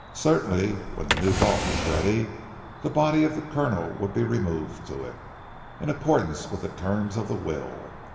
Certainly, when the new vault was ready the body of the Colonel would be removed to it, in accordance with the terms of the will.